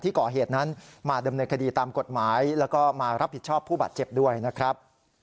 ก่อเหตุนั้นมาดำเนินคดีตามกฎหมายแล้วก็มารับผิดชอบผู้บาดเจ็บด้วยนะครับ